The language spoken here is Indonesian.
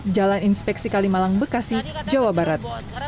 jalan inspeksi kalimalang bekasi jawa barat